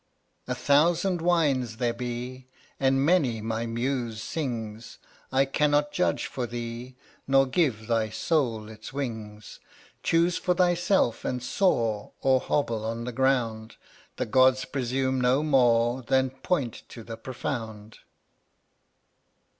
1 1 8 A thousand wines there be, And many my muse sings: I cannot judge for thee Nor give thy soul its wings. Choose for thyself, and soar Or hobble on the ground; The gods presume no more Than point to the Profound.